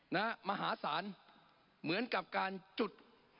มหาศาลเหมือนกับการจุด